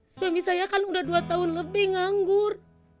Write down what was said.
suami saya kan udah dua tahun lebih nganggur